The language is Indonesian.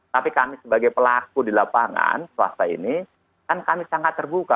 tapi kami sebagai pelaku di lapangan swasta ini kan kami sangat terbuka